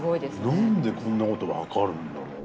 何でこんなこと分かるんだろう？